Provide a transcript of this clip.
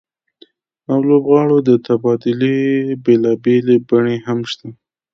او لوبغاړو د تبادلې بېلابېلې بڼې هم شته